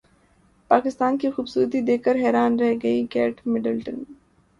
پاکستان کی خوبصورتی دیکھ کر حیران رہ گئی کیٹ مڈلٹن